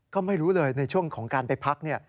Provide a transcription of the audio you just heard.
ก็ไม่รู้เลยในช่วงของการไปพักเนี่ย